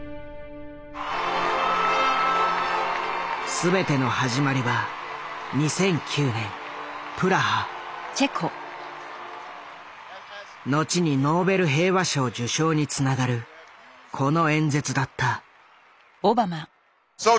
全ての始まりは後にノーベル平和賞受賞につながるこの演説だった。